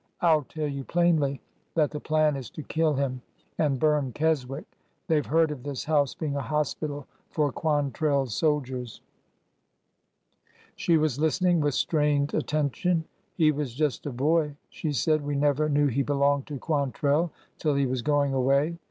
" I 'll tell you plainly that the plan is to kill him and bum Keswick. They 've heard of this house being a hospital for Quantrell's soldiers." 28 o ORDER NO. 11 She was listening with strained attention. He was just a hoy" she said. We never knew he belonged to Quantrell till he was going away.